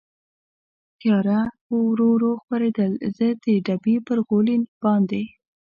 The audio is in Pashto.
تېاره ورو ورو خپرېدل، زه د ډبې پر غولي باندې.